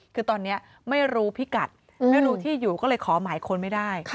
คือตอนนี้ไม่รู้พิกัดไม่รู้ที่อยู่ก็เลยขอหมายค้นไม่ได้